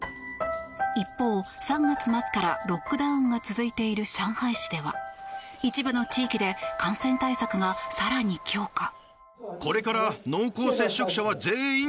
一方、３月末からロックダウンが続いている上海市では一部の地域で感染対策が更に強化。